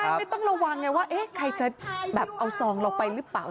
ไม่ต้องระวังไงว่าเอ๊ะใครจะแบบเอาซองเราไปหรือเปล่า